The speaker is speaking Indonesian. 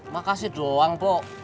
makasih doang pok